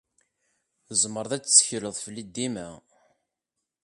Tzemreḍ ad tettekleḍ fell-i dima.